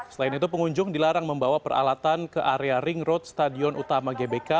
selain itu pengunjung dilarang membawa peralatan ke area ring road stadion utama gbk